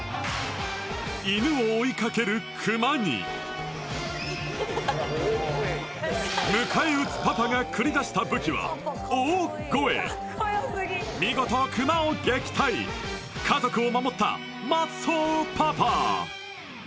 犬を追いかけるクマに迎え撃つパパが繰り出した武器は大声見事クマを撃退家族を守ったマッスルパパ！